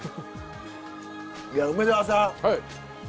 梅沢さん